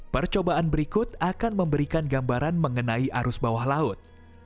percobaan berikut akan memberikan gambaran mengenai arus bawah laut